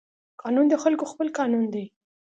قانون د خلقو خپل قانون دى.